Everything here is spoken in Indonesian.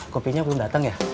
kopinya belum dateng ya